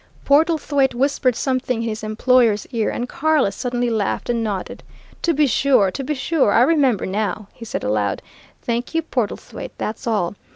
Portlethwaite whispered something in his employer's ear, and Carless suddenly laughed and nodded. "To be sure to be sure I remember now!" he said aloud. "Thank you, Portlethwaite: that's all.